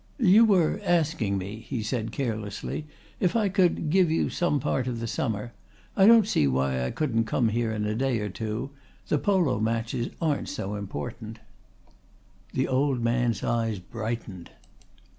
"You were asking me," he said carelessly, "if I could give you some part of the summer. I don't see why I shouldn't come here in a day or two. The polo matches aren't so important." The old man's eyes brightened.